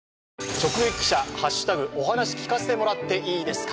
直撃記者＃お話聞かせてもらっていいですか？